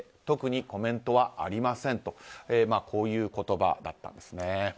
特にコメントはありませんとこういう言葉だったんですね。